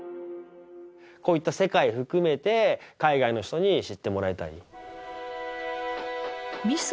こういった世界を含めて海外の人に知ってもらいたい。